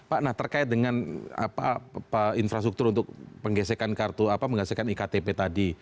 pak nah terkait dengan apa pak infrastruktur untuk penggesekan kartu apa penggesekan iktp tadi